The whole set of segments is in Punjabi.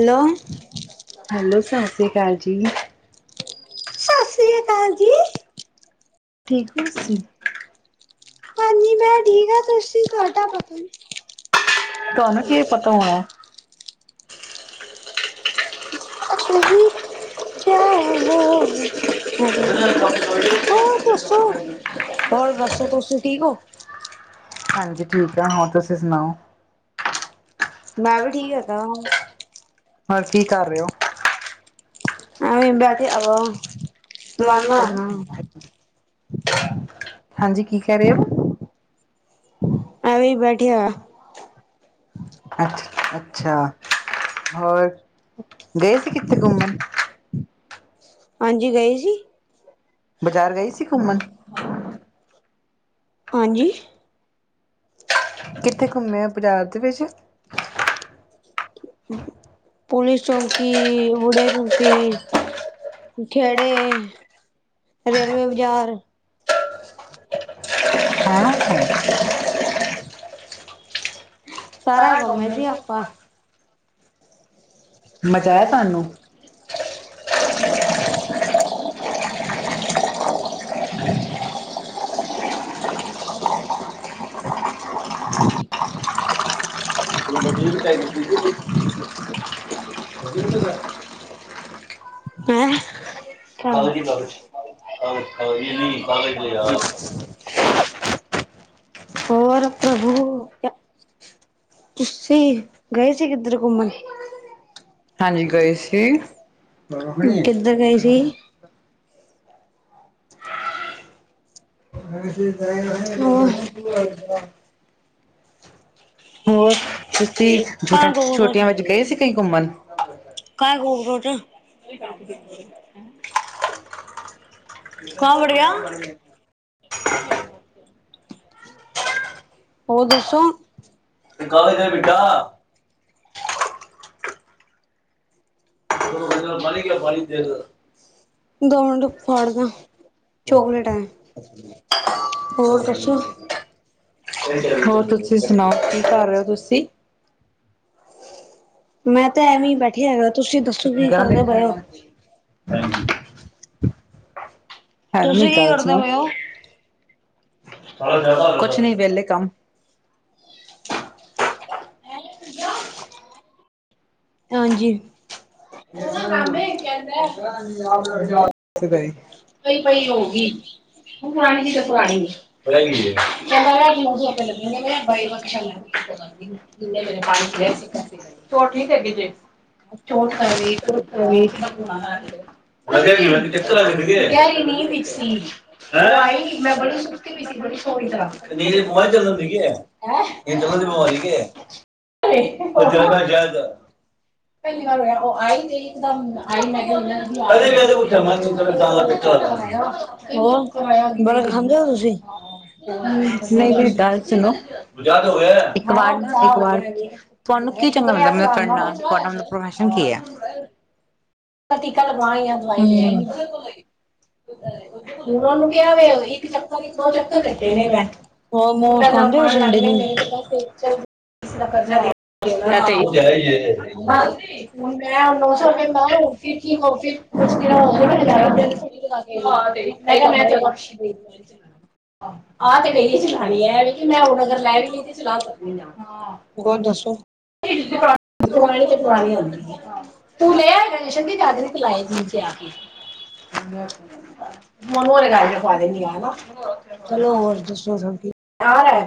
ਹੈਲੋ - ਹੈਲੋ ਸਤਿ ਜੀ ਅਕਾਲ ਜੀ। ਸਤਿ ਸ੍ਰੀ ਅਕਾਲ ਜੀ। ਠੀਕ ਓ ਤੁਸੀਂ। ਹਾਂਜੀ ਮੈਂ ਠੀਕ ਆ ਤੁਸੀਂ ਤੁਹਾਡਾ ਪਤਾ ਨੀ ਤੁਹਾਨੂੰ ਕੀ ਪਤਾ ਹੋਣਾ ਜਾ [unintelligible] ਹੋਰ ਦੱਸੋ? ਹੋਰ ਦੱਸੋ ਤੁਸੀ ਠੀਕ ਹੋ। ਹਾਂਜੀ ਠੀਕ ਆ ਹਾਂ ਤੁਸੀਂ ਸੁਣਾਉ। ਮੈਂ ਵੀ ਠੀਕ ਹੈਗਾ ਵਾ ਹੋਰ ਕੀ ਕਰ ਰਹੇ ਹੋ। ਐਵੇਂ [inaudible] ਬੈਠੇ ਆ ਵਾ ਹ ਲੰਦਾ ਲਾਦਾ ਹੁਨਾ ਹਾਂਜੀ ਕੀ ਕਹਿ ਰਹੇ ਹੋ। ਏਵੀ ਬੈਠੇ ਆ। ਅੱਛ - ਅੱਛਾ ਹੋਰ ਗਏ ਸੀ ਕਿੱਥੇ ਘੁੰਮਣ ਹਾਂਜੀ ਗਏ ਸੀ। ਬਜ਼ਾਰ ਗਈ ਸੀ ਘੁੰਮਣ? ਹਾਂਜੀ? ਕਿੱਥੇ ਘੁੰਮੇ ਓ ਬਾਜ਼ਾਰ ਦੇ ਵਿੱਚ? [inaudible] ਪੁਲਿਸ ਚੌਂਕੀ, ਬੁਢੇ ਚੌਂਕੀ- ਖੇੜੇ, ਰੇਲਵੇ ਬਾਜ਼ਾਰ। [unintelligible] ਸਾਰਾ ਘੁੰਮੇ ਸੀ ਆਪਾਂ। ਮਜ਼ਾ ਆਇਆ ਤਾਨੂੰ? [inaudible] [unintelligible] ਮੈਂ [unintelligible] ਤੁਹਾਨੂੰ? ਕਾਗਜ਼ ਲੈ ਆ। ਹੋਰ ਪ੍ਰਭੂ ਤੁਸੀਂ, ਗਏ ਸੀ ਕਿੱਧਰ ਘੁੰਮਣ? ਹਾਂਜੀ ਗਏ ਸੀ ਕਿੱਧਰ ਗਏ ਸੀ? ਹੋਰ ਹੋਰ ਤੁਸੀਂ ਕਾਂ ਕੋਕਰੋਚ ਛੋਟੀਆਂ ਵਿੱਚ ਗਏ ਸੀ ਕਈ ਘੁੰਮਣ? [unintelligible] ਕੌਣ ਵੜ ਗਿਆ? ਹੋਰ ਦੱਸੋ, ਕਾਗਜ ਦੇ ਬੇਟਾ। [unintelligible] ਪਾਣੀ ਦੇਖ ਦੋ ਮਿੰਟ ਫੜਲਾ, ਚੋਕਲੇਟ ਏ। ਹੋਰ ਦੱਸੋ। ਹੋਰ ਤੁਸੀਂ ਸੁਣਾਓ ਕੀ ਕਰ ਰਹੇ ਹੋ [unintelligible] ਤੁਸੀਂ ਮੈਂ ਤਾਂ ਤੇ ਐਵੇਂ ਬੈਠੇ ਹੈਗਾ ਤੁਸੀਂ ਦੱਸੋ ਈ ਕੀ [unintelligible] ਗੱਲ ਕਰਦੇ ਏਦਾਂ ਪਏ ਹੋ ਆ, ਹਾਂਜੀ। [inaudible] ਤੁਸੀਂ ਕੀ ਕਰਦੇ ਪਏ ਓ? ਕੁਛ ਨੀ ਵਿਹਲੇ ਕੰਮ [inaudible] ਹਾਂਜੀ। [inaudible] [unintelligible] ਉਹਦਾ ਕੰਮ ਇਹ ਕਹਿੰਦਾ ਉਥੇ ਈ ਪਈ ਹੋਓਗੀ। [unintelligible] ਹੁਣ ਜਿੰਨੇ ਪੁਰਾਣੀ ਚੀਜ਼ ਤਾਂ ਪੁਰਾਣੀ ਹੈ ਕਹਿੰਦਾ ਉਹ ਤੁਹਾਨੂੰ ਸੋ ਕਰ ਦਿੰਦੀ ਮੈਂ ਪਈ ਫੰਕਸ਼ਨ ਲੈ ਜਾਂਦੀ ਇਹ ਮੇਰੇ ਪਾਣੀ ਪਿਆ ਸੀ ਠੀਕ [unintelligible] ਜੇ [unintelligible] [unintelligible] ਚੋਟ ਕਰੀ ਗਹਿਰੀ ਨੀਂਹ ਵਿੱਚ ਸੀ ਹੈਂ [unintelligible] ਆਈ, ਮੈਂ ਬੜੀ ਸੁੱਤੀ ਵੀ ਸੀ, ਬੜੀ ਸੋਹਣੀ ਤਰ੍ਹਾਂ। ਹਵਾਂ ਚੱਲਣ ਡਈ ਏ ਹੈਂ [unintelligible] [unintelligible] ਪਹਿਲੀ ਪਹਿਲਾਂ ਵਾਰ ਹੋਇਆ। ਉਹ ਆਈ ਤੇ ਇੱਕਦਮ ਆਈ ਮੈਂ ਅਰੇ ਕਹਿੰਦੇ ਕੁਛ ਮਨ ਜ਼ਿਆਦਾ ਪਿੱਛਾ [unintelligible] ਹੋ, ਕਰਾਇਆ ਬੜਾ ਖਾਂਦੇ ਓ ਤੁਸੀਂ। ਮੇਰੀ ਗੱਲ ਸੁਣੋ ਯਾਦ ਹੋਇਆ ਇੱਕ ਗਿਆ ਵਾਰ ਹਾਂ ਨਾ ਇੱਕ ਹੋ ਵਾਰ ਤੁਹਾਨੂੰ ਗਿਆ ਕੀ ਚੰਗਾ ਸ਼ੁਕਰ ਐ ਲੱਗਦਾ ਆ ਮਤਲਬ ਤੁਹਾਡਾ ਮਤਲਬ ਪ੍ਰੋਫੈਸ਼ਨ ਕੀ ਐ? ਟੀਕਾ ਲਗਵਾਈ ਆ ਦਵਾਈ ਲਈ [inaudible] ਹੁਣ ਉਹ ਨੂੰ ਕਿਹਾ ਵੇ ਇੱਕ ਚੱਪਲ ਵਿੱਚ ਦੋ ਚੱਕਰ ਕੱਟੇ ਨੇ ਮੈਂ। ਮੈਂ ਨਾ ਆਪਣਾ ਲੰਚ [unintelligible] ਕਿਸੀ ਦਾ ਖਰਚਾ ਕਰਜ਼ਾ ਦੇ [unintelligible] ਹੁਣ ਮੈਂ ਨੌ ਓ ਤੇ ਹੈ ਇ ਏ। ਸੌ ਰੁਪਏ ਮੈਂ ਰੋਟੀ ਕੀ ਰੋਟੀ ਉਸਨੇ ਨੌ ਸੌ ਰੁਪਏ ਲਾਇਆ ਤੇ [unintelligible] ਹਾਂ ਤੇ ਇੱਕ [inaudible] ਮੈਂ ਬਖਸ਼ ਦੇ ਆ ਤੇ ਗਈ ਏ ਚਲਾਣੀ, ਐ ਏ ਕਿ ਮੈਂ ਹੁਣ ਅਗਰ ਲੈ ਵੀ ਲਈ ਤੇ ਚਲਾ ਸਕਦੀ ਆ। ਹੋਰ ਦੱਸੋ? [unintelligible] ਪੁਰਾਣੀ ਤੇ ਪੁਰਾਣੀ ਹੁੰਦੀ ਹੈ [unintelligible] ਤੂੰ ਲੈ ਲਿਆ [unintelligible] ਆਏਗਾ [unintelligible] ਜਸ਼ਨ ਦੀ ਚਾਦਰੀ ਤੇ ਲਾਈ ਜਿੰਨ ਤੇ ਆ ਮੈਨੂੰ ਮੋਨੂੰ ਓਰ ਦੇ ਵਾਲੇ ਘਰ ਈ ਗਾੜੀ ਰਖਵਾ ਦੇਨੀ ਦੇਣੀ ਆ, ਨਾ ਚਲੋ ਹੋਰ ਦੱਸੋ ਸਭ ਹੈਨਾ।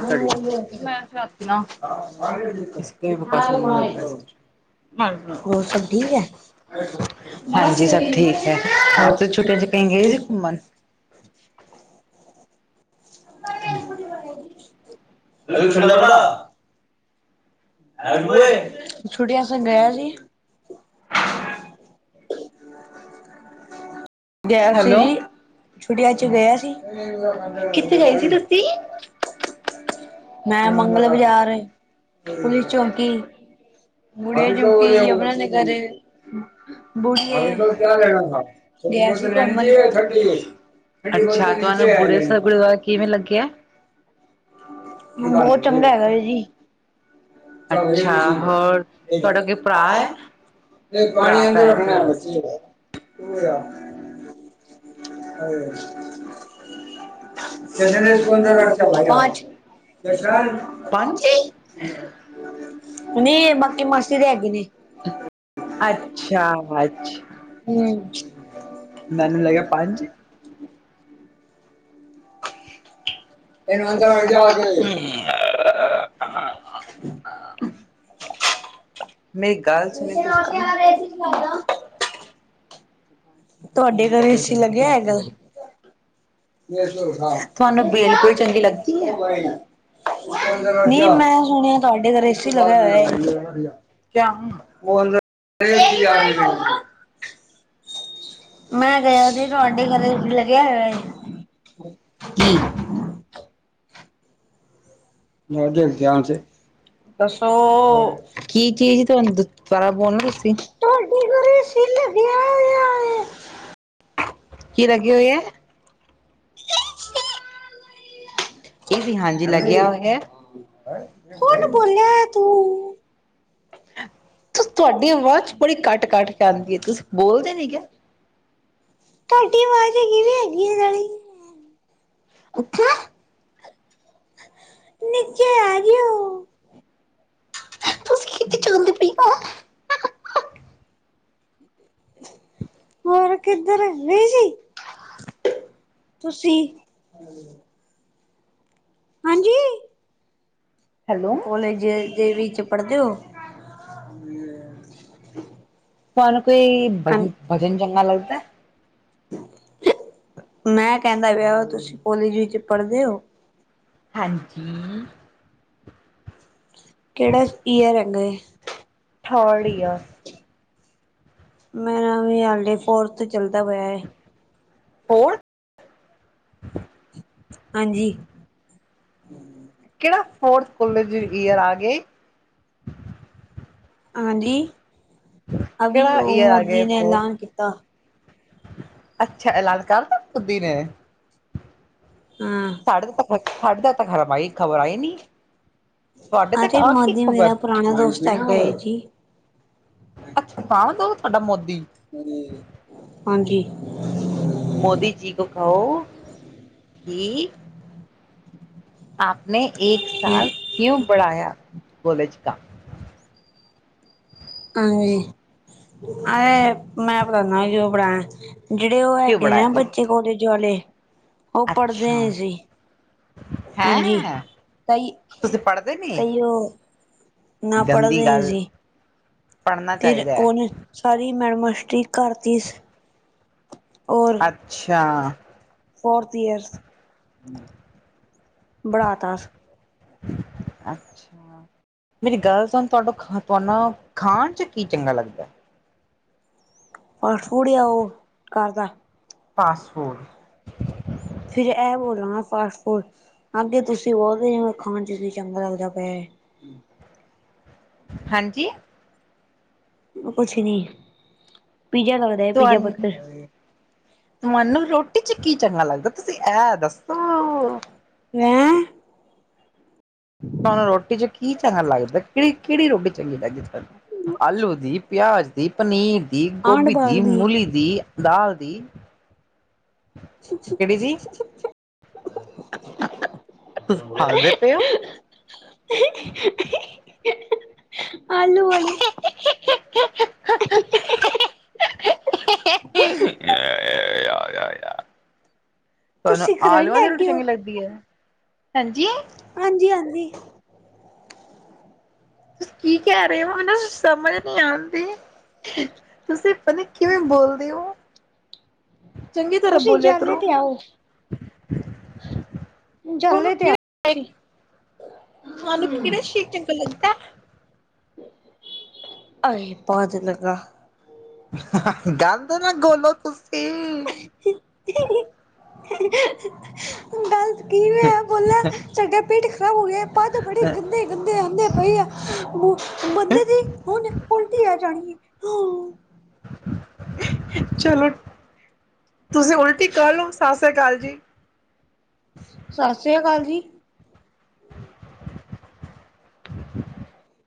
[unintelligible] [unintelligible] ਚਕ ਠੀਕ ਏ। [unintelligible] ਤੁਸੀ ਕੇੜ੍ਹੀ ਬਕਵਾਸ ਕਰਨ ਲੱਗ ਗਏ ਸੀ ਵਿਚ। ਹੋਰ ਸਭ ਠੀਕ ਐ। ਬਸ ਕੋਈ ਨੀ [unintelligible] [unintelligible] ਅਰੇ ਠੰਡਾ ਬੜਾ। [unintelligible] ਗਿਆ ਸੀ ਜੀ। ਛੁੱਟੀਆਂ ਚ ਗਿਆ ਸੀ ਕਿੱਥੇ ਗਈ ਸੀ ਦੱਸੀ [unintelligible] ਮੈਂ ਮੰਗਲ ਬਾਜ਼ਾਰ, ਪੁਲਿਸ ਚੌਂਕੀ ਬੁੜੀਆਂ ਚੌਕੀ, ਯਮੁਨਾਨਗਰ [unintelligible] [unintelligible] ਗਿਆ ਸੀ ਘੁੰਮਣ ਅਛਾ ਤੁਆਨੂੰ ਬੁੜ੍ਹੀਆਂ ਸਾਈਬ ਗੁਰਦੁਆਰਾ ਕਿਵੇਂ ਲਗਯੈ? ਬਹੁਤ ਚੰਗਾ ਹੈਗਾ ਏ ਜੀ। ਚੱਲੋ ਏ ਅੱਛਾ ਵੀ ਠੀਕ ਹੋਰ ਤੁਹਾਡਾ ਕੋਈ ਭਰਾ ਐ ਹੈ [unintelligible] ਨਈ ਪਾਣੀ ਵਾਂਗੂੰ ਰੱਖਣੈ ਬੱਚੀ ਦੇ [unintelligible] ਹਾਂਜੀ। ਚਸ਼ਮੇ [unintelligible] [unintelligible] ਨੀਂ ਏ ਬਾਕੀ ਮਾਸੀ ਦੇ ਹੈਗੇ ਨੇ। ਹਮ ਅੱਛਾ-ਅੱਛਾ। ਮੈਨੂੰ ਲੱਗਿਆ ਪੰਜ, ਏ ਮੰਦਰ ਵਾਲ ਜਾਂ [inaudible] [inaudible] ਕੇ। ਮੇਰੀ ਗੱਲ ਸੁਣਿਉ ਤੁਸੀਂ ਤੁਆਡੇ ਘਰ ਏ ਸੀ ਲੱਗਿਆ ਹੈਗਾ? ਇਹ ਸੁਖਾ ਤੁਆਨੂੰ ਭੇਲਪੂਰੀ ਚੰਗੀ ਲੱਗਦੀ ਐ। ਨਹੀਂ ਮੈਂ ਸੁਣਿਆ ਤੁਹਾਡੇ ਘਰ ਏਸੀ ਲੱਗਿਆ ਹੋਇਆ ਏ। [unintelligible] [unintelligible] ਮੈਂ ਕਿਆ ਸੀ ਤੂੰਆਂਢੇ ਘਰੇ ਲੱਗਿਆ ਹੋਇਆ ਏ? ਕੀ? ਹਾਂਜੀ ਧਿਆਨ ਸੇ। ਦੱਸੋ ਕੀ ਚੀਜ਼ ਤੁਆਨ ਦੁਬਾਰਾ ਬੋਲਨਾ ਤੁਸੀਂ। ਤੁਹਾਡੇ ਘਰੇ ਏਸੀ ਲੱਗਿਆ ਹੋਇਆ ਏ? ਕੀ ਲੱਗੀ ਹੋਈ ਐ‌? ਇਹ ਸੀ ਹਾਂਜੀ ਲੱਗਿਆ ਹੋਇਆ ਹੈ [unintelligible] ਹੁਨ ਬੋਲਿਆ ਏ ਤੂੰ। ਤੁ-ਤੁਆਡੀ ਆਵਾਜ਼ ਬੜੀ ਘੱਟ-ਘੱਟ ਕੇ ਆਂਦੀ ਏ, ਤੁਸੀਂ ਬੋਲਦੇ ਨੀ ਕੇ? ਤੁਆਡੀ ਆਵਾਜ਼ ਕਿਵੇਂ ਹੈਗੀ ਆ ਨਾਲੇ। ਅੱਛਾ। ਨੀਚੇ ਆ ਜਿਓ। ਤੁਸੀਂ ਕਿੱਥੇ ਚੰਦੇ ਪੇ ਆ। ਹੋਰ ਕਿੱਧਰ ਗਈ ਸੀ? [inaudible] ਤੁਸੀਂ। ਹਾਂਜੀ। ਹੈਲੋ ਕੋਲੇਜ ਜ ਦੇ ਵਿੱਚ ਪੜ੍ਹਦੇ ਹੋ? ਤੁਹਾਨੂੰ ਕੋਈ ਭਜ ਭਜਨ ਚੰਗਾ ਲੱਗਦੈ? ਮੈਂ ਕਹਿੰਦਾ ਵਿਆ ਤੁਸੀਂ ਕੋਲੇਜ ਵਿੱਚ ਪੜ੍ਹਦੇ ਹੋ? ਹਾਂਜੀ। ਕਿਹੜਾ ਇਯਰ ਹੈਗਾ? Third year. ਮੇਰਾ ਵੀ ਹਲੇ ਫੋਰਥ ਚੱਲਦਾ ਵਿਆ ਏ। ਫੌਰ ਹਾਂਜੀ। ਕਿਹੜਾ ਫੋਰਥ ਕੋਲਜ ਈਅਰ ਆ ਗਿਆ ਈ? ਹਾਂਜੀ, ਅਭੀ ਕਿਹੜਾ ਉਹ ਈਅਰ ਆ ਗਏ ਮੋਦੀ ਨੇ ਐਲਾਨ ਕੀਤਾ। ਅੱਛਾ, ਐਲਾਨ ਕਰਤਾ ਮੋਦੀ ਨੇ। ਹਾ। ਸਾਡੇ ਸਾਡੇ ਤ ਤਾਂ ਖਰਮ ਆਈ ਖ਼ਬਰ ਆਈ ਨੀ, ਤੁਹਾਡੇ ਤੱਕ ਅਰੇ ਆ ਕੀ ਮੋਦੀ ਖ਼ਬਰ? ਮੇਰਾ ਪੁਰਾਣਾ ਦੋਸਤ ਹੈਗਾ ਏ ਜੀ। ਅੱਛਾ ਪੁਰਾਣਾ ਦੋਸਤ ਤੁਹਾਡਾ ਮੋਦੀ। ਹਾਂਜੀ। ਮੋਦੀ ਜੀ ਕੋ ਕਹੋ ਕਿ ਆਪ ਨੇ ਇੱਕ ਸਾਲ ਕਿਉਂ ਬੜਾਇਆ ਕੌਲੇਜ ਕਾ? ਹਾਂਜੀ, ਮੈ ਪੜਾਣਾ ਜੋ ਪੜਾਣਾ। ਜਿਹੜੇ ਉਹ ਹੈਗੇ ਨੇ ਆ ਬੱਚੇ ਕੋਲੇਜ ਵਾਲੇ, ਉਹ ਪੜ੍ਹਦੇ ਨਹੀਂ ਸੀ। ਹਾਂਜੀ, ਹੈਂ ਕਈ ਤੁਸੀਂ ਪੜ੍ਹਦੇ ਨੀ ਤਈਉ ਨਾ ਗੰਦੀ ਪੜ੍ਹਦੇ ਐ ਗੱਲ ਜੀ, ਪੜ੍ਹਨਾ ਫਿਰ ਚਾਹੀਦਾ ਹੈ ਉਹਨੇ ਸਾਰੀ ਮੈਡਮਾਂ ਸਟਰੀਕ ਕਰਤੀ ਸ ਔਰ ਅੱਛਾ। ਫੋਰਥ ਈਅਰਸ, ਬਣਾਤਾ। ਅੱਛਾ। ਮੇਰੀ ਗੱਲ ਸੁਣ, ਤੁਹਾਡਾ ਖਾ ਤੁਹਾਨੂੰ ਖਾਣ 'ਚ ਕੀ ਚੰਗਾ ਲੱਗਦੈ? ਓਹ ਫੂੜ ਆ ਉਹ ਘਰ ਦਾ ਫਾਸਟ ਫੂਡ। ਫਿਰ ਇਹ ਬੋਲੋ ਨਾ ਫਾਸਟ ਫੂਡ, ਅੱਗੇ ਤੁਸੀਂ ਬੋਲਦੇ ਓਖਾਣ 'ਚ ਚੰਗਾ ਲੱਗਦਾ ਪਿਆ ਏ। ਹਾਂਜੀ। ਉਹ ਕੁਛ ਨੀ, ਪੀਜ਼ਾ ਲਗਦ ਤੁਹਾਨੂੰ ਤੁਹਾਨੂੰ ਰੋਟੀ 'ਚ ਕੀ ਚੰਗਾ ਲੱਗਦੈ, ਤੁਸੀਂ ਇਹ ਦੱਸੋ? ਹੈਂ ਤੁੂਹਾਨੂੰ ਰੋਟੀ 'ਚ ਕ ਕੀ ਚੰਗਾ ਲੱਗਦਾ, ਕਿਹੜੀ-ਕਿਹੜੀ ਰੋਟੀ ਚੰਗੀ ਲੱਗਦੀ ਤੁਹਾਨੂੰ ਆਲੂ ਦੀ, ਪਿਆਜ਼ ਦੀ ਦੀ ਪਨੀਰ ਦੀ, ਆਂਢ ਗੋਭੀ ਬਾਗ ਦੀ, ਮੂਲੀ ਦੀ, ਦਾਲ ਦੀ। ਕਿਹੜੀ [inaudible] ਦੀ ਤੁਸੀਂ ਹੱਸਦੇ ਪਏ ਹੋ? [inaudible] ਆਲੂ ਆਲੀ। [inaudible] ਤੁਹਾਨੂੰ ਤੁਸੀਂ ਕਰੰਟ ਆਲੂਆਂ ਦੀ ਰੋਟੀ ਹੈਗੇ ਹੋ ਚੰਗੀ ਲੱਗਦੀ ਐ, ਹੈਂਜੀ ਹਾਂਜੀ-ਹਾਂਜੀ ਤੁਸੀਂ ਕੀ ਕਹਿ ਰਹੇ ਹੋ ਹਨਾ, ਸਮਝ ਨੀ ਆਂਦੀ। ਤੁਸੀਂ ਪਤਾ ਨਈ ਕਿਵੇਂ ਬੋਲਦੇ ਔ ਤੁਸੀਂ ਜਾਲੇ ਤੇ ਆਓ, ਤੁਹਾਨੂੰ ਜਾਲੇ ਤੇ ਆਓ ਜੀ ਤੁਹਾਨੂੰ ਕਿਵੇਂ ਸ਼ੀਕ ਚੰਗਾ ਲੱਗਦਾ। ਅਏ ਪੈਰ ਚ ਲੱਗਾ ਹਾ ਹਾ ਗੰਦ ਨਾ ਘੋਲੋ ਤੁਸੀਂ ਹ [inaudible] [unintelligible] ਕਿਵੇਂ ਬੋਲਿਆ ਸਾਡਾ ਪੇਟ ਖਰਾਬ ਹੋ ਗਯਾ ਈ ਪਧ ਬੜੇ ਗੰਦੇ- ਗੰਦੇ ਆਉਂਦੇ ਪਏ ਆ ਬੰਦੇ ਦੀ ਹੁਣ ਉਲਟੀ ਆ ਜਾਣੀ ਹ ਚਲੋ ਤੁਸੀਂ ਉਲਟੀ ਕਰ ਲਓ ਸਤਿ ਸ੍ਰੀ ਅਕਾਲ ਜੀ। ਸਤਿ ਸ੍ਰੀ ਅਕਾਲ ਜੀ